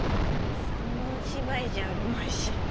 三文芝居じゃあるまいし。